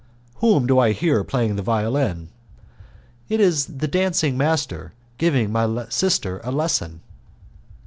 "Whom do I hear playing the violin?" "It's the dancing master giving my sister a lesson."